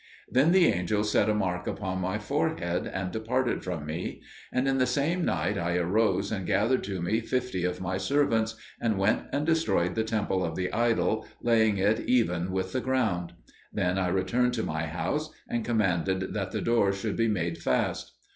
Then the angel set a mark upon my forehead, and departed from me; and in the same night I arose and gathered to me fifty of my servants, and went and destroyed the temple of the idol, laying it even with the ground. Then I returned to my house, and commanded that the doors should be made fast.